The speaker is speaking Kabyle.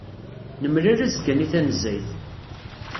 Nemlal azekka-nni tanezzayt.